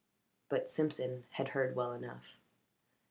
But Simpson had heard well enough.